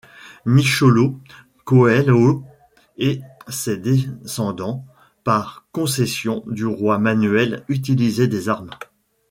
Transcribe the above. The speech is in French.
Nicholau Coelho et ses descendants, par concession du roi Manuel, utilisaient des armes.